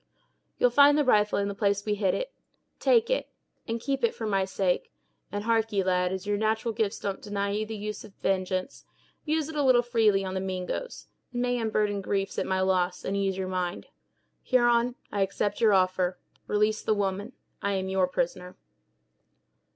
You'll find the rifle in the place we hid it; take it, and keep it for my sake; and, harkee, lad, as your natural gifts don't deny you the use of vengeance, use it a little freely on the Mingoes; it may unburden griefs at my loss, and ease your mind. Huron, I accept your offer; release the woman. I am your prisoner!"